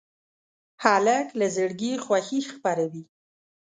هلک له زړګي خوښي خپروي.